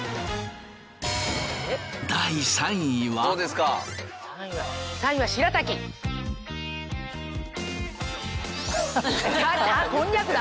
３位はこんにゃくだ。